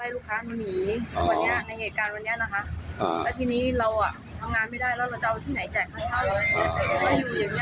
ลูกค้าหนูมามาไล่ลูกค้าหนูหนีอ๋อวันนี้ในเหตุการณ์วันนี้นะคะ